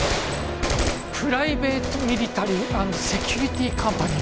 プライベートミリタリーアンドセキュリティーカンパニー